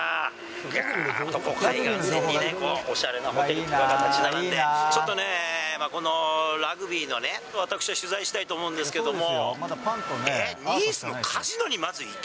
ぐーっとこう、海岸線におしゃれなホテルが建ち並んで、ちょっとね、ラグビーのね、私は取材したいと思うんですけれども。